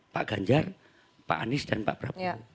pak ganjar pak anies dan pak prabowo